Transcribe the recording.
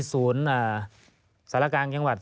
ศูนย์สารกลางจังหวัด